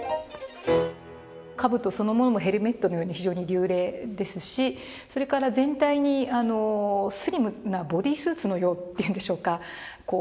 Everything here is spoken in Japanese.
兜そのものもヘルメットのように非常に流麗ですしそれから全体にスリムなボディースーツのようっていうんでしょうか。